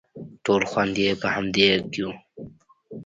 ټول خوند يې په همدې کښې و.